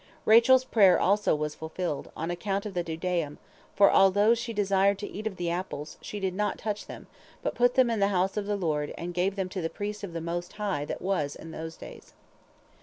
Rachel's prayer also was fulfilled, on account of the dudaim, for although she desired to eat of the apples, she did not touch them, but put them in the house of the Lord, and gave them to the priest of the Most High that was in those days.